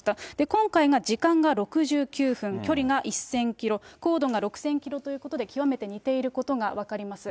今回が時間が６９分、距離が１０００キロ、高度が６０００キロということで、極めて似ていることが分かります。